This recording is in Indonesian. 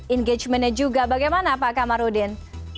engagementnya juga bagaimana pak kamarudin